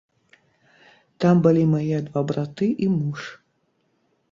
Там былі мае два браты і муж.